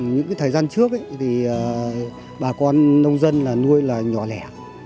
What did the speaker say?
những cái thời gian trước thì bà con nông dân nuôi là nhỏ lẻ